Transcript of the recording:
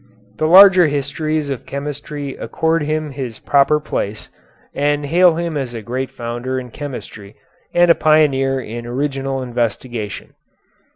The larger histories of chemistry accord him his proper place, and hail him as a great founder in chemistry, and a pioneer in original investigation.